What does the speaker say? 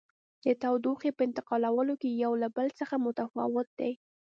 د تودوخې په انتقالولو کې یو له بل څخه متفاوت دي.